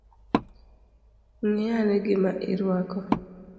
Ngi ane gima irwako